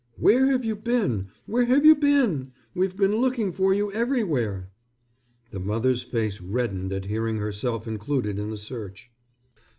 "Where have you been? Where have you been? We've been looking for you everywhere." The mother's face reddened at hearing herself included in the search.